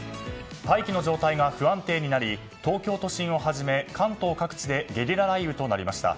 大気の状態が不安定になり東京都心をはじめ関東各地でゲリラ雷雨となりました。